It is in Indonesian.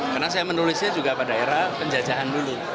karena saya menulisnya juga pada era penjajahan dulu